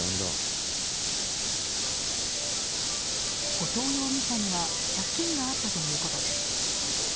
後藤容疑者には借金があったということです。